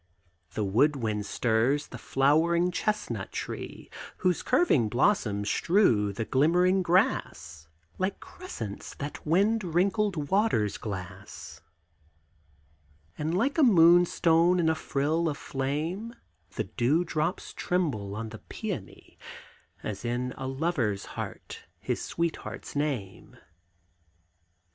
The wood wind stirs the flowering chestnut tree, Whose curving blossoms strew the glimmering grass Like crescents that wind wrinkled waters glass; And, like a moonstone in a frill of flame, The dew drop trembles on the peony, As in a lover's heart his sweetheart's name.